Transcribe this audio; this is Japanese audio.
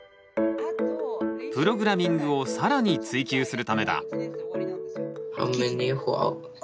プログラミングを更に追究するためだ。